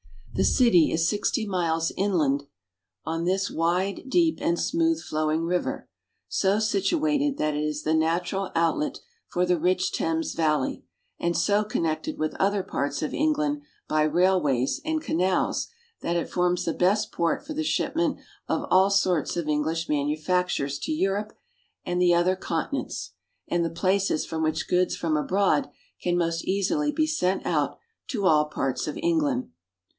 The city is sixty miles inland on this wide, deep, and smooth flowing river, so situated that it is the natural out let for the rich Thames valley, and so connected with other parts of England by railways and canals that it forms the best port for the shipment of all sorts of English manufactures to Europe and the other continents, and the place from which goods from abroad can most easily be sent out to all parts of England.